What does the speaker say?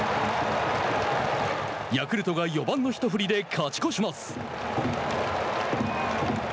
ヤクルトが４番の一振りで勝ち越します。